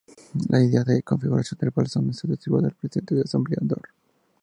La idea de configuración del blasón está atribuida al presidente de la Asamblea, Dr.